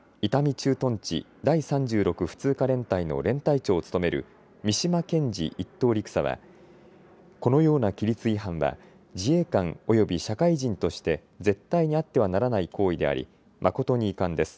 駐屯地第３６普通科連隊の連隊長を務める三島健司１等陸佐はこのような規律違反は自衛官および社会人として絶対にあってはならない行為であり誠に遺憾です。